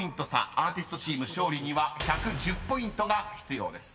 アーティストチーム勝利には１１０ポイントが必要です］